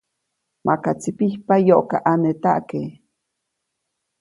Makaʼtsi pijpayoʼkaʼanetaʼke.